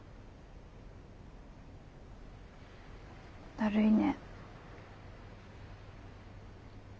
だるいね。